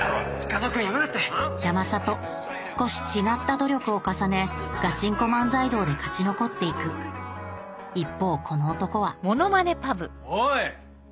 少し違った努力を重ね「ガチンコ漫才道」で勝ち残っていく一方この男はおい！